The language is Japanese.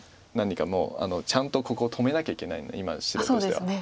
何かもうちゃんとここ止めなきゃいけないので今白としては。